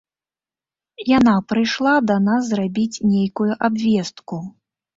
Яна прыйшла да нас зрабіць нейкую абвестку.